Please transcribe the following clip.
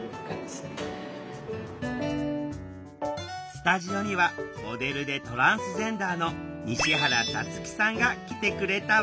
スタジオにはモデルでトランスジェンダーの西原さつきさんが来てくれたわ。